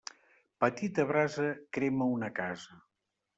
Petita brasa crema una casa.